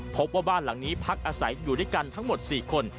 พบว่าบ้านหลังนี้พักอาศัยอยู่ด้วยกันทั้งหมด๔คน